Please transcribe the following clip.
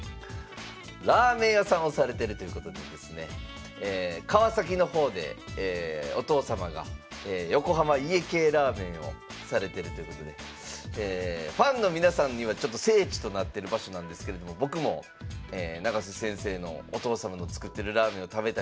ラーメン屋さんをされてるということでですね川崎の方でお父様が横浜家系ラーメンをされてるということでファンの皆さんにはちょっと聖地となってる場所なんですけれども僕も永瀬先生のお父様の作ってるラーメンを食べたいと思って。